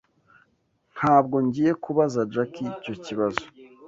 Ntabwo ngiye kubaza Jack icyo kibazo.